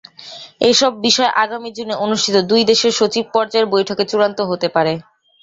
এসব বিষয় আগামী জুনে অনুষ্ঠিত দুই দেশের সচিব পর্যায়ের বৈঠকে চূড়ান্ত হতে পারে।